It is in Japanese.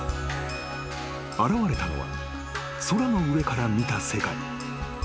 ［現れたのは空の上から見た世界］